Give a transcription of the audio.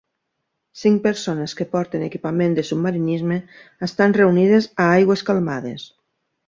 Cinc persones que porten equipament de submarinisme estan reunides a aigües calmades.